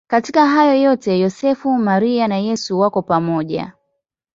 Katika hayo yote Yosefu, Maria na Yesu wako pamoja.